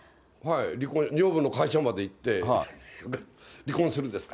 女房の会社まで行って、離婚するんですか？